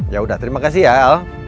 ya udah terima kasih ya al